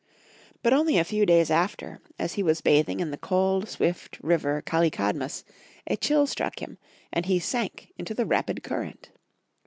But only a few days after, as he was bathing in the cold, swift river Kalykadmus, a chill struck liim, and he sank into the rapid current.